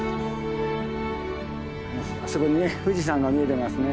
あそこに富士山が見えてますね。